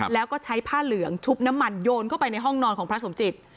แล้วก็ใช้ผ้าเหลืองชุบน้ำมันโยนเข้าไปในห้องนอนของพระสมจิต